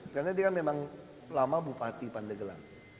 karena dia kan memang lama bupati pandegelang